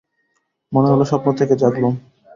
মনে হল স্বপ্ন থেকে জাগলুম।